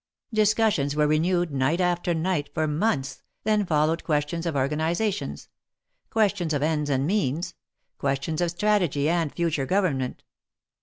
Discussions were renewed night after night for months, then followed questions of organizations, — questions of ends and means — questions of strategy and future gov ernment.